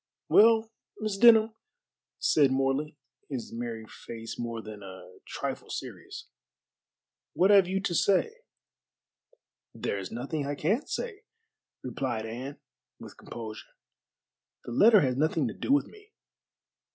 "Well, Miss Denham," said Morley, his merry face more than a trifle serious, "what have you to say?" "There is nothing I can say," replied Anne, with composure, "the letter has nothing to do with me."